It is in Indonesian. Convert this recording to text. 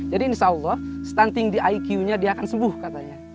jadi insya allah stunting di iq nya dia akan sembuh katanya